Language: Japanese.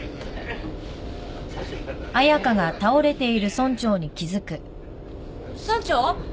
村長？